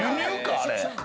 あれ。